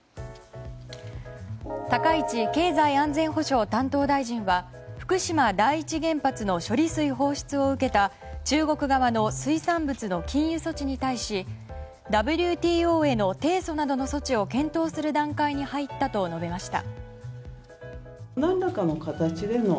高市経済安全保障担当大臣は福島第一原発の処理水放出を受けた中国側の水産物の禁輸措置に対しＷＴＯへの提訴などの措置を検討する段階に入ったと述べました。